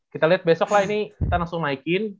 kita lihat besok lah ini kita langsung naikin